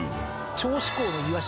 銚子港のイワシ